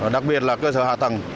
đặc biệt là cơ sở hạ tầng